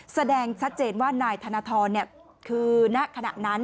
แสดงชัดเจนว่านายธนทรคือณขณะนั้น